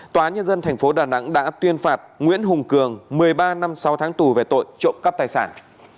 tòa nhân dân tp đà nẵng đã tuyên phạt nguyễn hùng cường một mươi ba năm sáu tháng tù về tội trộm cắp tài sản